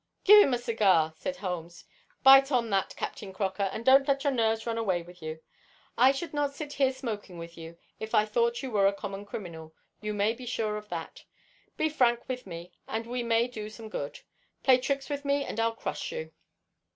"Give him a cigar," said Holmes. "Bite on that, Captain Croker, and don't let your nerves run away with you. I should not sit here smoking with you if I thought that you were a common criminal, you may be sure of that. Be frank with me, and we may do some good. Play tricks with me, and I'll crush you."